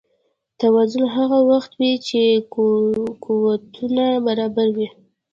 توازن هغه وخت وي چې قوتونه برابر وي.